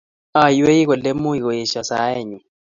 Aywei kole much koesho saenyu